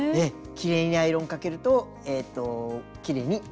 きれいにアイロンかけるときれいに縫えます。